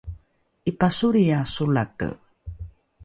’ipasolria solate